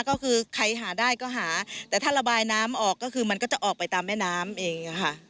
ก็คือใครหาได้ก็หาแต่ถ้าระบายน้ำออกก็คือมันก็จะออกไปตามแม่น้ำเองค่ะ